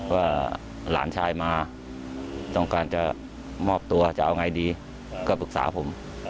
ว่าหลานชายมาต้องการจะมอบตัวจะเอาไงดีก็ปรึกษาผม